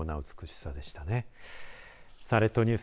さあ列島ニュース